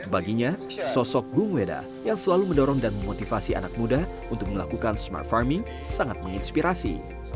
baginya sosok gung weda yang selalu mendorong dan memotivasi anak muda untuk melakukan smart farming sangat menginspirasi